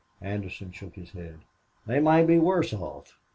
Anderson shook his head. "They might be worse off.